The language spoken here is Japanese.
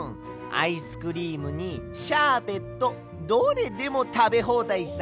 アイスクリームにシャーベットどれでもたべほうだいさ。